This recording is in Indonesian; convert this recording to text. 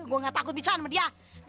gua nggak takut bisa sama dia